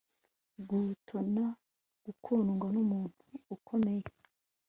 gutona gukundwa n'umuntu ukomeye